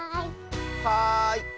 はい。